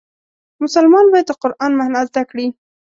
مسلمان باید د قرآن معنا زده کړي.